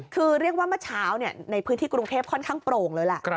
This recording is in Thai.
คือเรียกว่าเมื่อเช้าในพื้นที่กรุงเทพค่อนข้างโปร่งเลยล่ะ